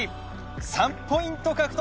３ポイント獲得。